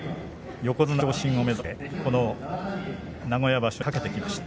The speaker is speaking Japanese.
横綱昇進を目指してこの名古屋場所に懸けてきました。